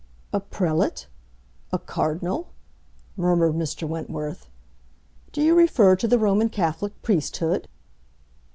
"A prelate, a cardinal?" murmured Mr. Wentworth. "Do you refer to the Roman Catholic priesthood?"